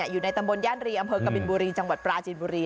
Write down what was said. อยู่ในตำบลย่านรีอำเภอกับปลาจีนบุรี